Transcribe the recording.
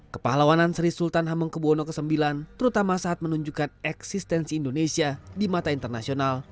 kepahlawanan sri sultan hamengkebuwono ix terutama saat menunjukkan eksistensi indonesia di mata internasional